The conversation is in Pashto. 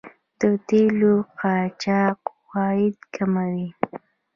د تیلو قاچاق عواید کموي.